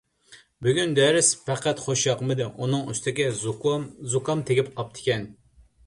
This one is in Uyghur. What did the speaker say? بۈگۈن دەرس پەقەت خۇشياقمىدى، ئۇنىڭ ئۈستىگە زۇكام تېگىپ قاپتىكەن.